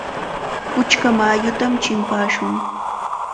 Puchka mayutam chimpashun.